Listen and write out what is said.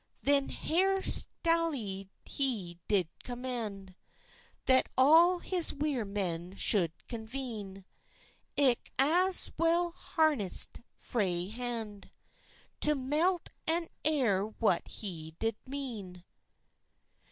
Then haistylie he did command That all his weir men should convene; Ilk an well harnisit frae hand, To melt and heir what he did mein.